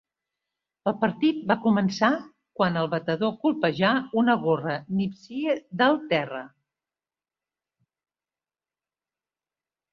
El partit va començar quan el batedor colpejà una gorra nipsie del terra.